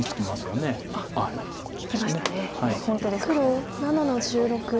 黒７の十六。